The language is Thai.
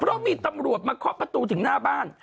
เพราะมีตำรวจมาเคาะประตูถึงหน้าบ้าน